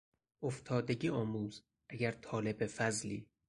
افتادگی آموز اگر طالب فضلی